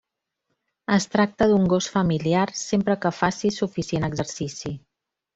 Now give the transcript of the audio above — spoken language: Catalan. Es tracta d'un gos familiar sempre que faci suficient exercici.